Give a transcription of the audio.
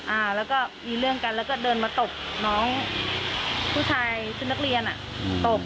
อ่าแล้วก็มีเรื่องกันแล้วก็เดินมาตบน้องผู้ชายชุดนักเรียนอ่ะอืมตบ